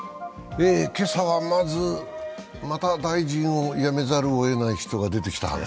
今朝はまずまた大臣を辞めざるをえない人が出てきた話？